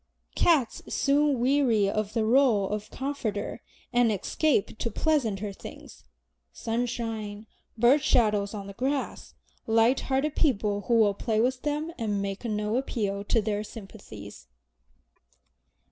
Cats soon weary of the role of comforter, and escape to pleasanter things, sunshine, bird shadows on the grass, light hearted people who will play with them and make no appeal to their sympathies.